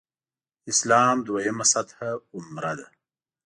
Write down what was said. اسلام دویمه سطح عمره ده.